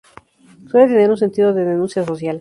Suele tener un sentido de denuncia social.